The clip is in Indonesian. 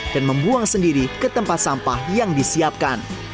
dan membuang sendiri ke tempat sampah yang disiapkan